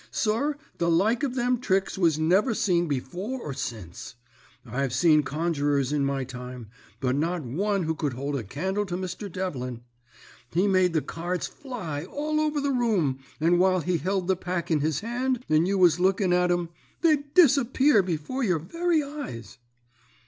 Sir, the like of them tricks was never seen before or since. I've seen conjurers in my time, but not one who could hold a candle to Mr. Devlin. He made the cards fly all over the room, and while he held the pack in his hand and you was looking at 'em, they'd disappear before your very eyes.